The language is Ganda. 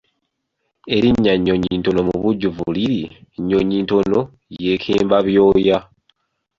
Erinnya Nyonyintono mubujjuvu liri Nyonyintono yeekemba byoya.